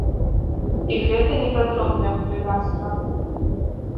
І гэта не пра дробнае хуліганства!